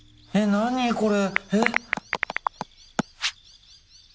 何これ。